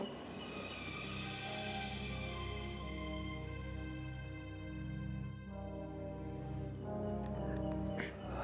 aku merasa aku